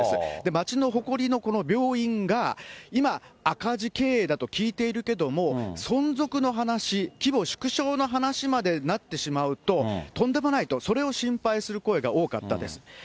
町の誇りのこの病院が、今、赤字経営だと聞いているけども、存続の話、規模縮小の話までなってしまうととんでもないと、それを心配する声が多かったです。